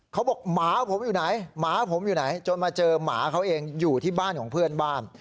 เขาบอกหมาผมอยู่ไหนหมาผมอยู่ไหนจนมาเจอหมาเขาเองอยู่ที่บ้านของเพื่อนบ้าน